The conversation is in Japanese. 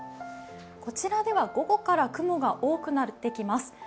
こちらでは午後から雲が多くなってきます。